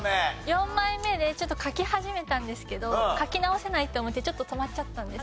４枚目で書き始めたんですけど書き直せないと思ってちょっと止まっちゃったんです。